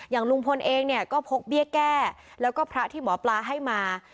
อย่างลุงพลเองเนี่ยก็พกเบี้ยแก้แล้วก็พระที่หมอปลาให้มา